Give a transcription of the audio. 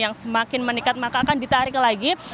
yang semakin meningkat maka akan ditarik lagi